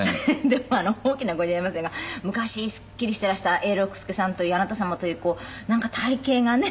でも大きな声じゃ言えませんが昔すっきりしていらした永六輔さんといいあなた様といいなんか体形がね。